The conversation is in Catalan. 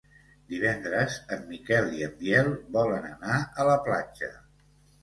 Divendres en Miquel i en Biel volen anar a la platja.